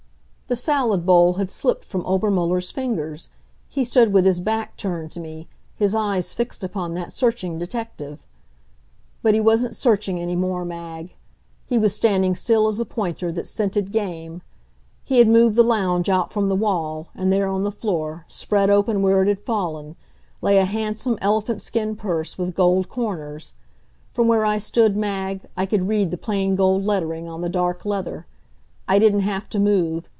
The salad bowl had slipped from Obermuller's fingers. He stood with his back turned to me, his eyes fixed upon that searching detective. But he wasn't searching any more, Mag. He was standing still as a pointer that's scented game. He had moved the lounge out from the wall, and there on the floor, spread open where it had fallen, lay a handsome elephant skin purse, with gold corners. From where I stood, Mag, I could read the plain gold lettering on the dark leather. I didn't have to move.